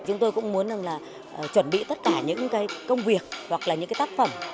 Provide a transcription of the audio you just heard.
chúng tôi cũng muốn chuẩn bị tất cả những công việc hoặc là những tác phẩm